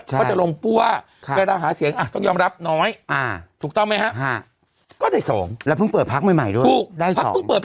ก็จะลงปั้วเวลาหาเสียงต้องยอมรับน้อยถูกต้องไหมครับ